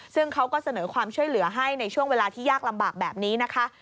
ซึ่งเขาก็เสนอความช่วยเหลือให้ในช่วงเวลาที่ยากลำบากแบบนี้นะคะ